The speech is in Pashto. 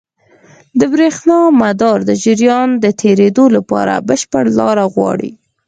د برېښنا مدار د جریان د تېرېدو لپاره بشپړ لاره غواړي.